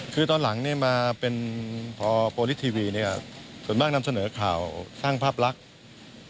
คือตอนหลังเนี่ยมาเป็นพอโปรลิสทีวีเนี่ยส่วนมากนำเสนอข่าวสร้างภาพลักษณ์